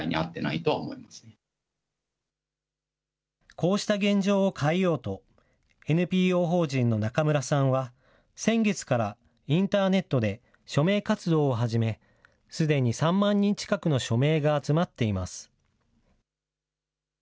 こうした現状を変えようと、ＮＰＯ法人の中村さんは、先月からインターネットで署名活動を始め、すでに３万人近くの署名が集まっています。